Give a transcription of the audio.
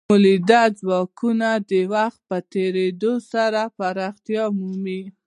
مؤلده ځواکونه د وخت په تیریدو سره پراختیا مومي.